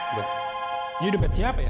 ibu ini dompet siapa ya